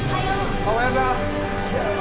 おはようございます！